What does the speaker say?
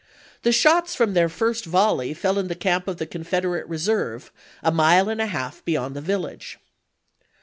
The shots from theii* first volley fell in the camp of the Confederate reserve, a mile and a half beyond the village.